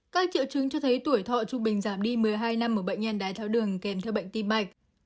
các triệu chứng cho thấy tuổi thọ trung bình giảm đi một mươi hai năm ở bệnh nhân đái tháo đường kèm theo bệnh tim mạch